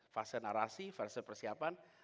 fase narasi fase persiapan